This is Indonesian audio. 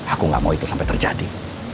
aku gak mau itu sampai terjadi